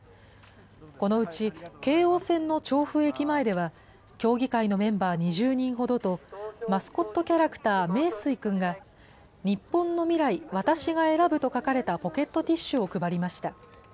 このうち、京王線の調布駅前では、協議会のメンバー２０人ほどと、マスコットキャラクター、めいすいくんが、日本の未来、私が選ぶと書かれたポケットティッシュを配りました。